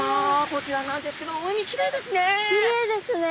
こちらなんですけど海きれいですね。